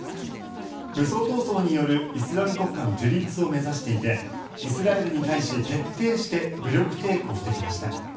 武装闘争によるイスラム国家の樹立を目指していてイスラエルに対して徹底して武力抵抗してきました。